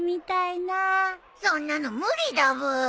そんなの無理だブー。